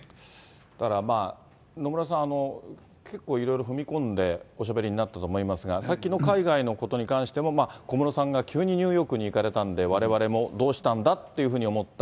だから野村さん、結構、いろいろ踏み込んでおしゃべりになったと思いますが、さっきの海外のことに関しても、小室さんが急にニューヨークに行かれたんで、われわれもどうしたんだっていうふうに思った。